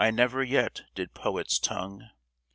never yet did poet's tongue.